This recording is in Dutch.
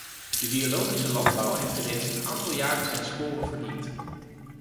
De biologische landbouw heeft reeds een aantal jaren zijn sporen verdiend.